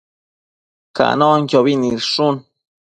Canonquiobi nidshun